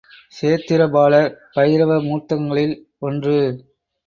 க்ஷேத்திரபாலர், பைரவ மூர்த்தங்களில் ஒன்று.